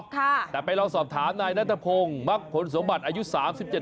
ค่ะแต่ไปเราสอบถามนายนัตถพงศ์มักผลสวมบัติอายุ๓๗ปี